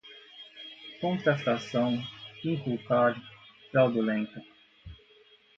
contrafração, inculcar, fraudulenta